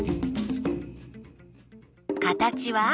形は？